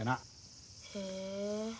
へえ。